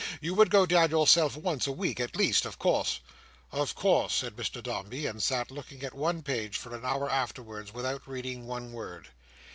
You would go down yourself once a week at least, of course." "Of course," said Mr Dombey; and sat looking at one page for an hour afterwards, without reading one word.